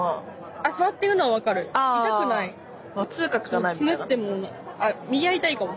あっ右は痛いかも。